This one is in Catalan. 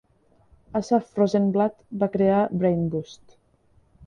Assaf Rozenblatt va crear Brainboost.